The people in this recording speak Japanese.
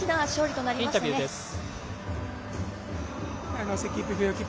非常に大きな勝利となりましたね。